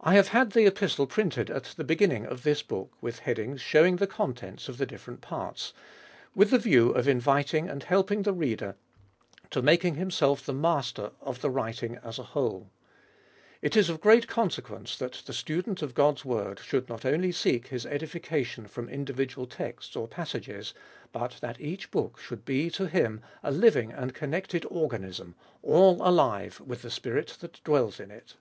I have had the Epistle printed at the beginning of the book, with headings showing the contents of the different parts, with the view of inviting and helping the reader to make himself 24 WK Ibolfest of 2111 master of the writing as a whole. It is of great consequence that the student of God's word should not only seek his edifica tion from individual texts or passages, but that each book should be to him a living and connected organism, all alive with the Spirit that dwells in it.